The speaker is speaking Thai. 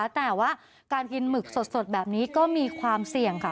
แต่ว่าการกินหมึกสดแบบนี้ก็มีความเสี่ยงค่ะ